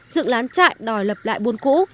dựng lán trại đòi lập lại buôn cũ